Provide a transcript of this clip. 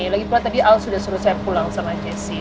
lagipula tadi al sudah suruh saya pulang sama jessi